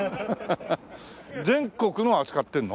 全国のを扱ってるの？